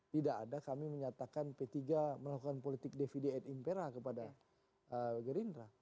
tidak ada kami menyatakan p tiga melakukan politik dvd at impera kepada gerindra